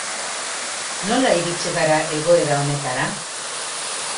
Nola iritsi gara egoera honetara?